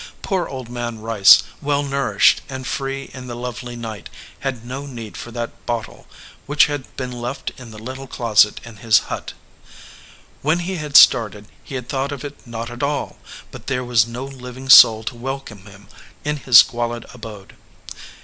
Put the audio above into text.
Poor Old Man Rice, well nourished and free in the lovely night, had no need for that bottle which had been left in the little closet in his hut. When he had started he had thought of it not at all; but there was no living soul to welcome him in his squalid abode.